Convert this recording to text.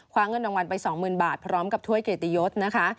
เงินรางวัลไป๒๐๐๐บาทพร้อมกับถ้วยเกตยศนะคะ